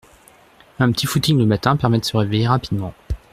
Un petit footing le matin permet de se réveiller rapidement.